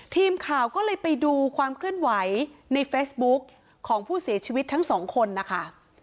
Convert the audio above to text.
ทีมข่าวก็เลยไปดูความเคลื่อนไหวในเฟซบุ๊กของผู้เสียชีวิตทั้งสองคนนะคะ